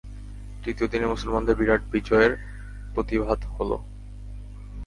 তৃতীয় দিনে মুসলমানদের বিরাট বিজয় প্রতিভাত হল।